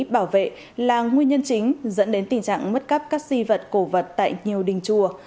bảo vệ là nguyên nhân chính dẫn đến tình trạng mất cắp các di vật cổ vật tại nhiều đình chùa